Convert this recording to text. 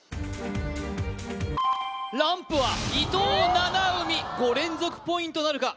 ランプは伊藤七海５連続ポイントなるか？